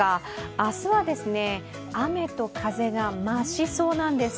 明日は雨と風が増しそうなんです。